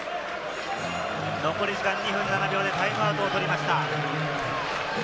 残り時間２分７秒でタイムアウトを取りました。